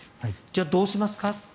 じゃあ、どうしますか。